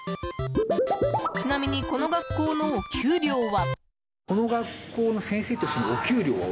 ちなみに、この学校のお給料は。